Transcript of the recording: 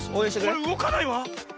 これうごかないわ。